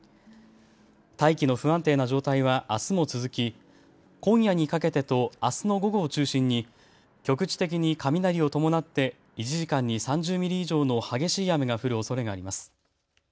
大気の不安定な状態はあすも続き今夜にかけてとあすの午後を中心に局地的に雷を伴って１時間に３０ミリ以上の激しい雨が降るおそれがあります。